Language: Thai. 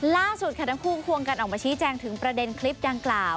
ล่าสุดค่ะทั้งคู่ควงกันออกมาชี้แจงถึงประเด็นคลิปดังกล่าว